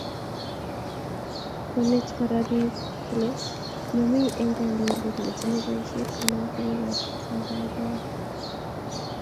Konwt Kora bik kole momie eng kandoindet netinyei boisiet konam tugukab kakaikaet